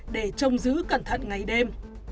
để trông giữ cẩn thận ngay đêm